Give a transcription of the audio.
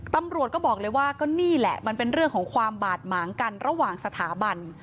ตำรวจก็บอกเลยว่าก็นี่แหละมันเป็นเรื่องของความบาดหมางกันระหว่างสถาบัน